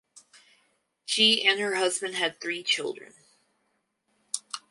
She and her husband had three children.